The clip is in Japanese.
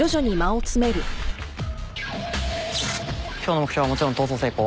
今日の目標はもちろん逃走成功。